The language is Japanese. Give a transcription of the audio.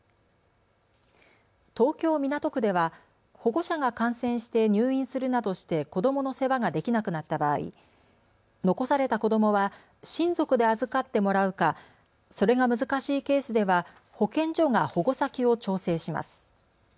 東京港区では保護者が感染して入院するなどして子どもの世話ができなくなった場合、残された子どもは親族で預かってもらうかそれが難しいケースでは保健所が保護先を調整します。